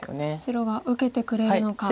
白が受けてくれるのか。